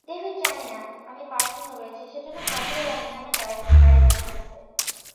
David জানে না আমি পার্কিংয়ে রয়েছি, সেজন্য কার্পোল লাইনে আমার গাড়ি রাখা লাগবে।